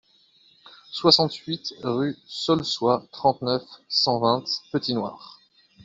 soixante-huit rue du Saulçois, trente-neuf, cent vingt, Petit-Noir